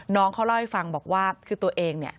น้องเขาเล่าให้ฟังบอกว่าคือตัวเองเนี่ย